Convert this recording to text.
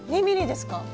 ２ｍｍですか？